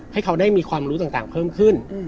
ให้เขาได้มีความรู้ต่างเพิ่มขึ้น